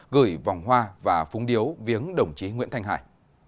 gửi vòng hoa và phung điếu viếng đồng chí nguyễn thanh hải